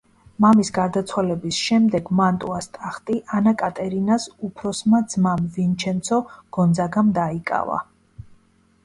მამის გარდაცვალების შემდეგ მანტუას ტახტი ანა კატერინას უფროსმა ძმამ, ვინჩენცო გონძაგამ დაიკავა.